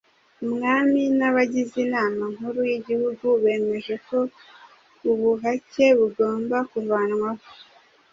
Umwami n'abagize Inama NkUru y'igihugu bemeje ko ubuhake bugomba kuvanwaho